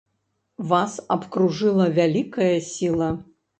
Вас абкружыла вялікая сіла.